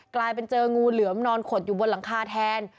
กลายเป็นเจองูเหลือมนอนขดอยู่บนหลังคาแทน